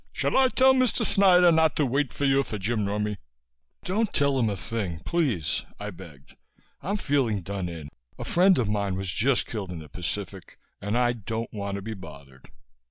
Shall I tell Mr. Snyder not to wait for you for gin rummy?" "Don't tell him a thing, please," I begged. "I'm feeling done in a friend of mine was just killed in the Pacific and I don't want to be bothered."